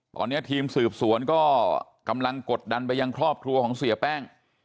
ตอนนี้ทีมสืบสวนก็กำลังกดดันไปยังครอบครัวของเสียแป้ง